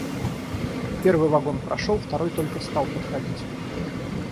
Первый вагон прошел, второй только стал подходить.